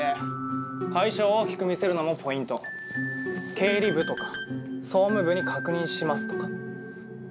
「経理部」とか「総務部に確認します」とか。